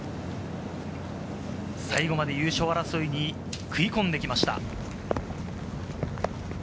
最後まで優勝争いに食い込んできました。